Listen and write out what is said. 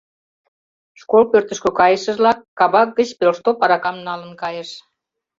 Школ пӧртышкӧ кайышыжлак кабак гыч пелштоп аракам налын кайыш.